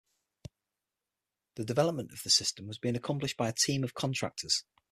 The development of the system was being accomplished by a team of contractors.